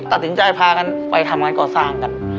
ตัดสินใจพากันไปทำงานก่อสร้างกัน